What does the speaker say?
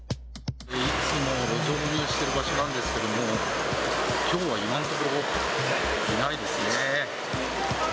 いつも路上飲みをしている場所なんですけれども、きょうは今のところ、いないですね。